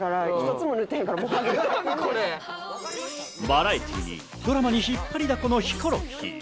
バラエティーにドラマに引っ張りだこのヒコロヒー。